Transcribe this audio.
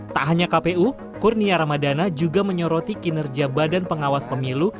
tak hanya kpu kurnia ramadana juga menyoroti kinerja badan pengawas pemilu